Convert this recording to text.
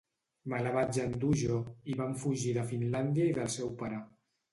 Me la vaig endur jo i vam fugir de Finlàndia i del seu pare.